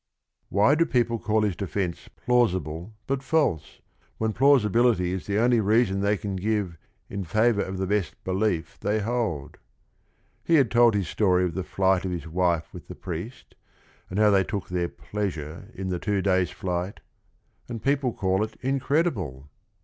Why do people call his defence "plausible but false," when plausibility is the only reason they can give "in favor of the best belief they hold !" He had told his story of the flight of his wife with the priest, and how they took their pleasure in the two days' flight, and people call it incredible.